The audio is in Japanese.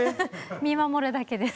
見守るだけです。